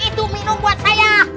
itu minum buat saya